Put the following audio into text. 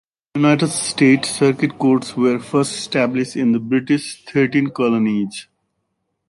In the United States, circuit courts were first established in the British Thirteen Colonies.